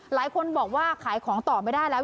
หลายคนบอกว่าขายของต่อไม่ได้แล้ว